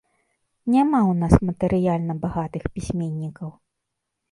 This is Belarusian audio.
Няма ў нас матэрыяльна багатых пісьменнікаў.